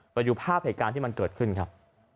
ไปดูภาพเหตุการณ์ที่มันเกิดขึ้นครับ